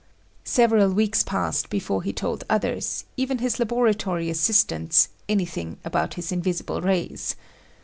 Several weeks passed before he told others, even his laboratory assistants, anything about his invisible rays.